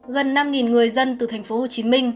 gần năm người dân từ tp hcm